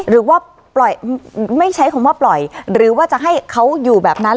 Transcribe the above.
หรือว่าไม่ใช้คำว่าปล่อยหรือว่าจะให้เขาอยู่แบบนั้น